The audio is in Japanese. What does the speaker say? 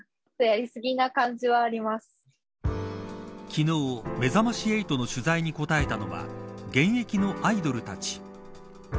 昨日めざまし８の取材に答えたのは現役のアイドルたち。